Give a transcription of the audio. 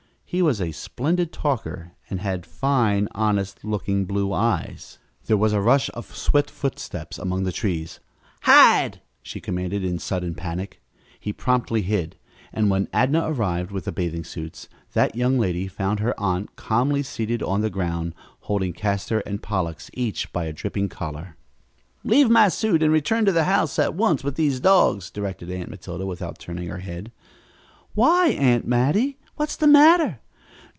He was a splendid talker, and had fine, honest looking blue eyes. There was a rush of swift footsteps among the trees. "Hide!" she commanded in sudden panic. He promptly hid, and when Adnah arrived with the bathing suits, that young lady found her aunt calmly seated on the ground, holding Castor and Pollux each by a dripping collar. "Leave my suit and return to the house at once with these dogs," directed Aunt Matilda without turning her head. "Why, Aunt Mattie, what's the matter?"